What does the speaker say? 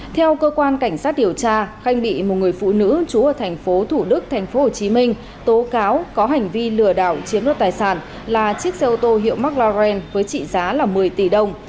theo cơ quan cảnh sát điều tra khanh bị một người phụ nữ trú ở tp thủ đức tp hcm tố cáo có hành vi lừa đảo chiếm đoạt tài sản là chiếc xe ô tô hiệu mclaren với trị giá một mươi tỷ đồng